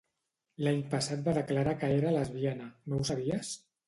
L'any passat va declarar que era lesbiana, no ho sabies?